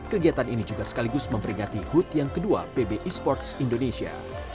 kegiatan ini juga sekaligus memperingati hud yang kedua pb esports indonesia